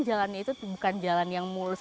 jalannya itu bukan jalan yang mulus